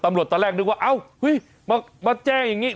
ตอนแรกนึกว่าเอ้ามาแจ้งอย่างนี้